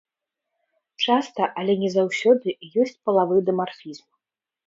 Часта, але не заўсёды, ёсць палавы дымарфізм.